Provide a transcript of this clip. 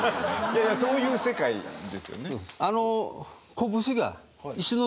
いやいやそういう世界ですよね。